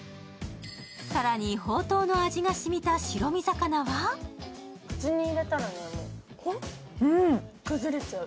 更にほうとうの味が染みた白身魚は口に入れたらね、ほろって崩れちゃう。